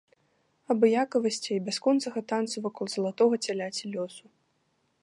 Абыякавасці і бясконцага танцу вакол залатога цяляці лёсу.